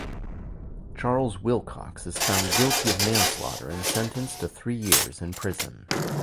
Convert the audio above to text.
Charles Wilcox is found guilty of manslaughter and sentenced to three years in prison.